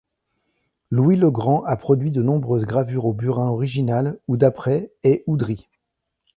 Louis Legrand a produit de nombreuses gravures au burin originales ou d'après et Oudry.